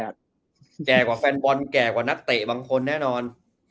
แก่กว่าแฟนบอลแก่กว่านักเตะบางคนแน่นอน